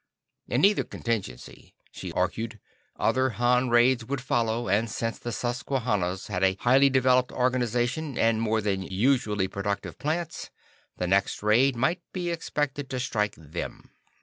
In either contingency, she argued, other Han raids would follow, and since the Susquannas had a highly developed organization and more than usually productive plants, the next raid might be expected to strike them.